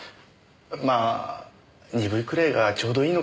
まあ鈍いくらいがちょうどいいのかもしれませんよ。